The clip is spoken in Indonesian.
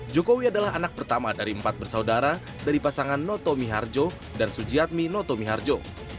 jokowi adalah anak pertama dari empat bersaudara dari pasangan noto miharjo dan sujiatmi noto miharjo